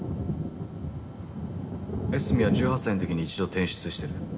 江角は１８歳の時に一度転出してる。